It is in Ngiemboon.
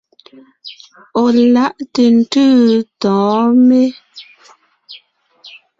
Ɔ̀ láʼ ntʉ̀ntʉ́ tɔ̌ɔn mé?